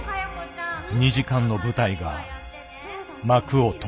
２時間の舞台が幕を閉じた。